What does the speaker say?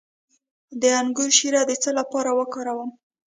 د انګور شیره د څه لپاره وکاروم؟